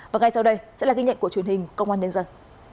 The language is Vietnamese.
và ngay sau đây sẽ là ghi nhận của truyền hình công an nhân dân